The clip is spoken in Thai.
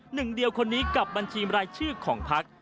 หนึ่งเดียวคนนี้กับบัญชีรายชื่อของพัก